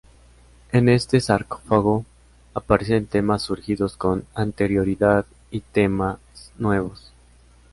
En este sarcófago aparecen temas surgidos con anterioridad y temas nuevos.